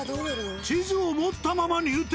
地図を持ったまま入店。